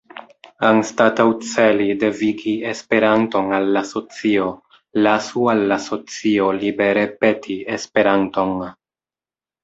Anstataŭ celi devigi Esperanton al la socio, lasu al la socio libere peti Esperanton.